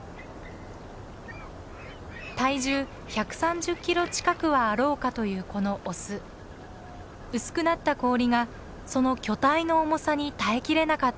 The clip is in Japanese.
体重１３０キロ近くはあろうかというこのオス。薄くなった氷がその巨体の重さに耐えきれなかったのです。